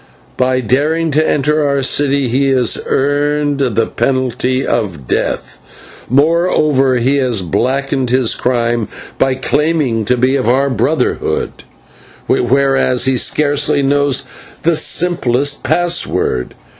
By daring to enter our city he has earned the penalty of death; moreover he has blackened his crime by claiming to be of our Brotherhood, whereas he scarcely knows the simplest pass word.